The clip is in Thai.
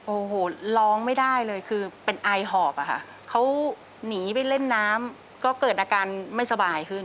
โอ้โหร้องไม่ได้เลยคือเป็นไอหอบอะค่ะเขาหนีไปเล่นน้ำก็เกิดอาการไม่สบายขึ้น